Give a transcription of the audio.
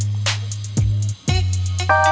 oh ya paham ya